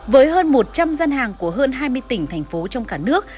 với hơn một trăm linh gian hàng của hơn hai mươi tỉnh thành phố trong cả nước